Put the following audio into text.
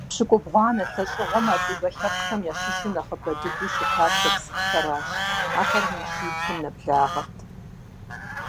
Епщыкӏубгъуанэ лӀэщӀыгъуэм адыгэ лъэпкъхэм ящыщу нэхъыбэ дыдэу щытар шапсыгъхэрщ, ахэр мин щиблым нэблагъэрт.